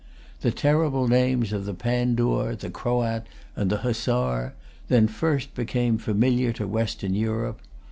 The terrible names of the Pandoor, the Croat, and the Hussar, then first became familiar to western Europe.